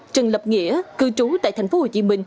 trần lập nghĩa cư trú tại tp hcm